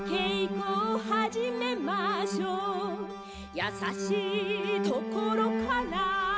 「やさしいところから」